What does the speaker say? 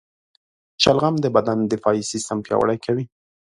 شلغم د بدن دفاعي سیستم پیاوړی کوي.